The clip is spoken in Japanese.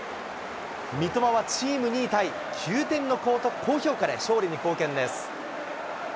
三笘はチーム２位タイ、９点の高評価で勝利に貢献です。